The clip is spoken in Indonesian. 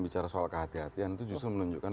bicara soal kehatian kehatian itu justru menunjukkan